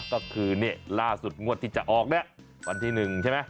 ก็คือนี่ล่าสุดงวดที่จะออกเนี่ยวันที่๑ใช่ไหม